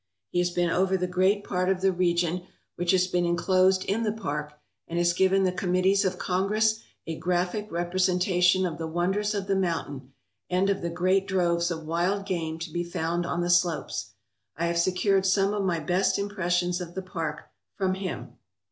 He has been over the great 282 MOUNT McKINLEY, THE "MOST HIGH" part of the region which has been inclosed in the park, and has given the committees of Congress a graphic representation of the wonders of the mountain and of the great droves of wild game to be found on the slopes. I have secured some of my best impressions of the park from him.